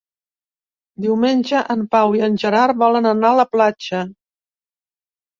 Diumenge en Pau i en Gerard volen anar a la platja.